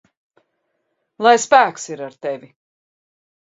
Lai spēks ir ar tevi!